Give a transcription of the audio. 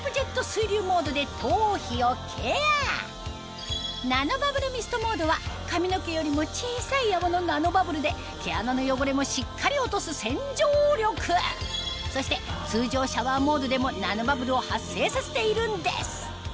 水流モードで頭皮をケアナノバブルミストモードは髪の毛よりも小さい泡のナノバブルで毛穴の汚れもしっかり落とす洗浄力そして通常シャワーモードでもナノバブルを発生させているんです